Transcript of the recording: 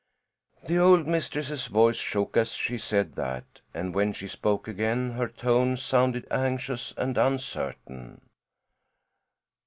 The old mistress's voice shook as she said that, and when she spoke again her tone sounded anxious and uncertain.